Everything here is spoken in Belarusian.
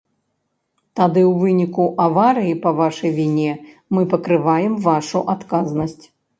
Тады ў выніку аварыі па вашай віне мы пакрываем вашу адказнасць.